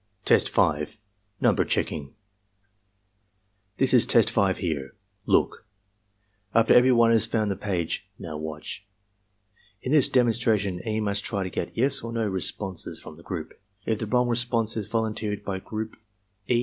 Test 5. — ^Ntimber Checking "This is Test 5 here. Look." After every one has found the page. "Now watch." Li this demonstration E. must try to get "Yes" or "No" responses from the group. If the wrong re sponse is volimteered by group, E.